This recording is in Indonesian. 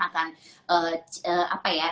akan apa ya